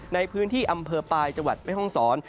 ในพื้นที่อำเภอปลายจังหวัดแม่ห้องศร